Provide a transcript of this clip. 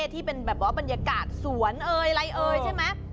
ที่เป็นบรรยากาศสวนอะไรใช่ไหม